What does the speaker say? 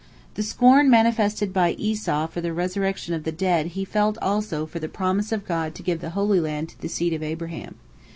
The scorn manifested by Esau for the resurrection of the dead he felt also for the promise of God to give the Holy Land to the seed of Abraham.